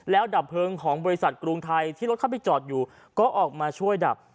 แล้วดับเพลิงของบริษัทกรุงไทยที่รถเข้าไปจอดอยู่ก็ออกมาช่วยดับ